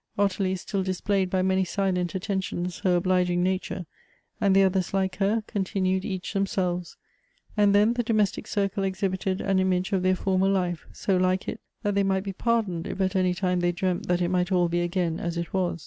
Ottilia still dis played by many silent attentions her obliging nature, and the others like her continued each themselves; and then the domestic circle exhibited an image of their former life, so like it, that they might be pardoned if at any time they dreamt that it might all be again as it was.